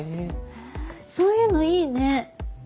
へぇそういうのいいね